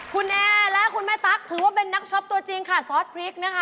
คุณแอและคุณแม่ตั๊กถือว่าเป็นนักช๊อปตัวจริงซอสพริก